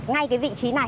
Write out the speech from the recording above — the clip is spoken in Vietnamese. ngay cái vị trí này